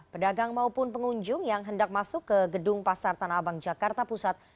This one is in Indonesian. pedagang maupun pengunjung yang hendak masuk ke gedung pasar tanah abang jakarta pusat